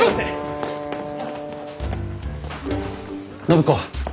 暢子